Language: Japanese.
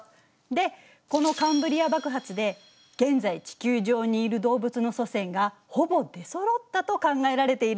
でこのカンブリア爆発で現在地球上にいる動物の祖先がほぼ出そろったと考えられているの。